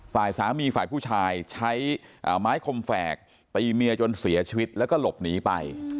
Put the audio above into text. ฝ่ายสามีฝ่ายผู้ชายใช้ไม้คมแฝกตีเมียจนเสียชีวิตแล้วก็หลบหนีไป